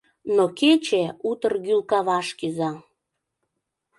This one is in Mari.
Но Кече утыр гӱл каваш кӱза.